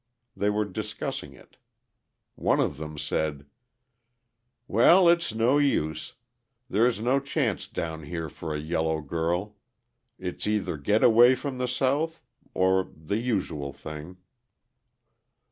They were discussing it. One of them said: "Well, it's no use. There is no chance down here for a yellow girl. It's either get away from the South or the usual thing."